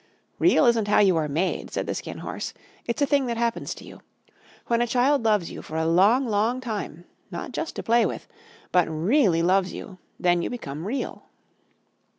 "Real isn't how you are made," said the Skin Horse. "It's a thing that happens to you. When a child loves you for a long, long time, not just to play with, but REALLY loves you, then you become Real."